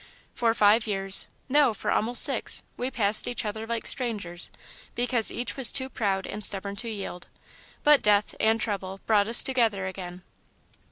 For five years no, for almost six, we passed each other like strangers, because each was too proud and stubborn to yield. But death, and trouble, brought us together again."